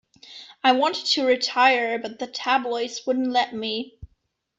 I wanted to retire, but the tabloids wouldn't let me.